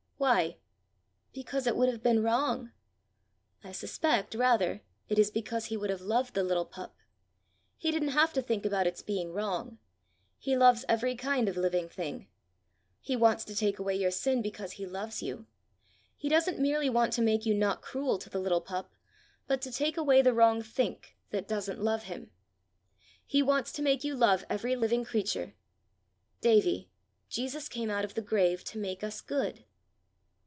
"Why?" "Because it would have been wrong." "I suspect, rather, it is because he would have loved the little pup. He didn't have to think about its being wrong. He loves every kind of living thing. He wants to take away your sin because he loves you. He doesn't merely want to make you not cruel to the little pup, but to take away the wrong think that doesn't love him. He wants to make you love every living creature. Davie, Jesus came out of the grave to make us good."